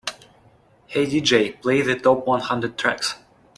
"Hey DJ, play the top one hundred tracks"